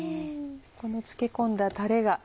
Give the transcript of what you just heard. この漬け込んだタレが。